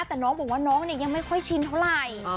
แต่น้องบอกว่าน้องเนี่ยยังไม่ค่อยชินเท่าไหร่